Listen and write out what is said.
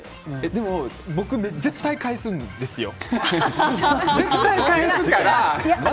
でも僕、絶対返すんですよ。